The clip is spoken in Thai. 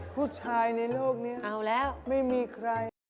ผู้ชายในโลกนี้ไม่มีใคร